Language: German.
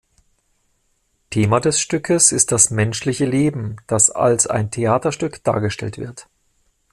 Thema des Stückes ist das menschliche Leben, das als ein Theaterstück dargestellt wird.